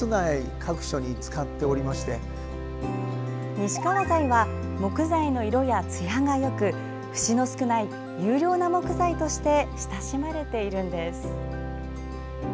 西川材は木材の色や、つやがよく節の少ない優良な木材として親しまれているんです。